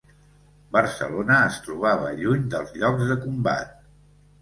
Barcelona es trobava lluny dels llocs de combat